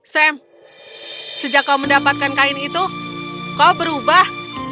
sam sejak kau mendapatkan kain itu kau berubah